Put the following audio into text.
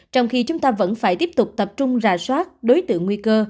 trong khi chúng ta vẫn phải tiếp tục tập trung rà soát đối tượng nguy cơ